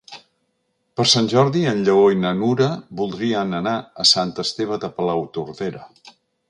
Per Sant Jordi en Lleó i na Nura voldrien anar a Sant Esteve de Palautordera.